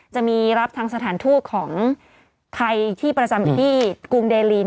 จะมีรับทางสถานทูกของใครที่ประจำที่กรุงเดรี